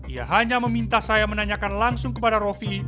ia hanya meminta saya menanyakan langsung kepada rofi